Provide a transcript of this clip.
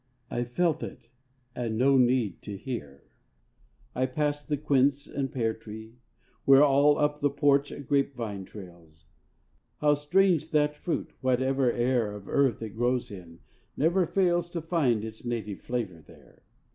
I felt it, and no need to hear! I passed the quince and peartree; where All up the porch a grape vine trails How strange that fruit, whatever air Or earth it grows in, never fails To find its native flavor there!